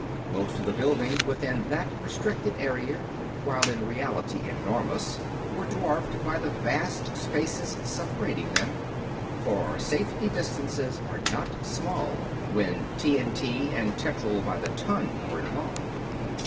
Most of the buildings within that restricted area, while in reality enormous, were dwarfed by the vast spaces separating them; for safety distances are not small when TNT and tetryl by the ton are involved.